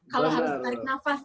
kalau harus menarik nafas